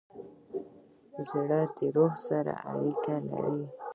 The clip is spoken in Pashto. زړه د روح سره اړیکه لري.